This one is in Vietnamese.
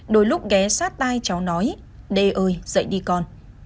đôi lúc ghé sát tai cháu nói đê ơi dậy đi con